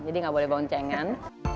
jadi nggak boleh boncengan